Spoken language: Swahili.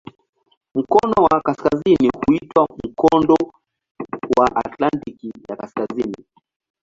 Mkono wa kaskazini huitwa "Mkondo wa Atlantiki ya Kaskazini".